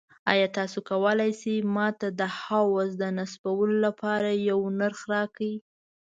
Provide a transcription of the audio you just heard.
ایا تاسو کولی شئ ما ته د حوض د نصبولو لپاره یو نرخ راکړئ؟